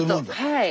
はい。